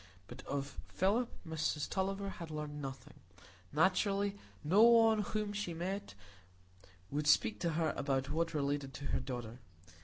But of Philip, Mrs Tulliver had learned nothing; naturally, no one whom she met would speak to her about what related to her daughter.